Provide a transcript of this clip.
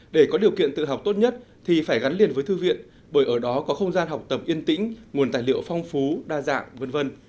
để có điều kiện tự học tốt nhất thì phải gắn liền với thư viện bởi ở đó có không gian học tập yên tĩnh nguồn tài liệu phong phú đa dạng v v